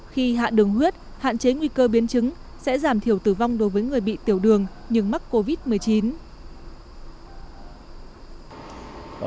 khi hạ đường huyết hạn chế nguy cơ biến chứng sẽ giảm thiểu tử vong đối với người bị tiểu đường nhưng mắc covid một mươi chín